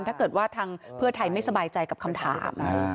ถ้าเกิดว่าทางเพื่อไทยไม่สบายใจกับคำถาม